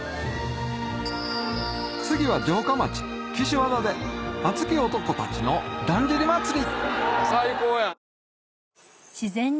次は城下町岸和田で熱き男たちのだんじり祭り！